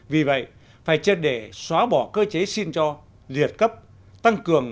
vì vậy phải chết để xóa bỏ cơ chế xin cho liệt cấp tăng cường